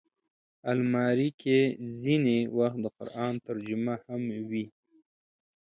الماري کې ځینې وخت د قرآن ترجمه هم وي